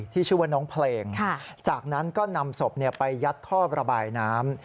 ชื่อว่าน้องเพลงจากนั้นก็นำศพไปยัดท่อระบายน้ำ